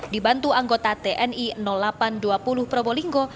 dibantu anggota tni delapan ratus dua puluh probolinggo